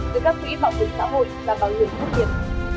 từ các quỹ bảo vệ xã hội và bảo hiểm cấp tiền